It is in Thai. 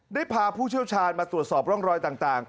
พาผู้เชี่ยวชาญมาตรวจสอบร่องรอยต่าง